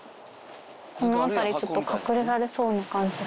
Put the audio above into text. この辺りちょっと隠れられそうな感じが。